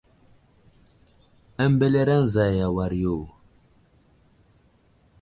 Ambelereŋ zay a war yo.